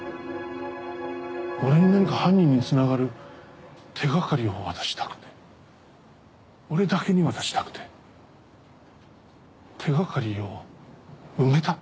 俺に何か犯人に繋がる手掛かりを渡したくて俺だけに渡したくて手掛かりを埋めた？